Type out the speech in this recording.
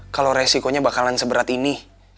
kalau resikonya bakalan seberat ini